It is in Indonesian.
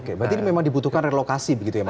oke berarti ini memang dibutuhkan relokasi begitu ya mas